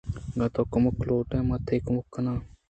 اگاں تو کمک لوٹ ئے، من تئی کمک ءَ کن آں۔